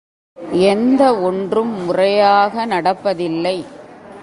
எந்த ஒன்றும் முறையாக நடப்பதில்லை.